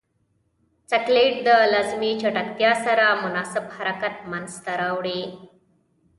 سکلیټ د لازمې چټکتیا سره مناسب حرکت منځ ته راوړي.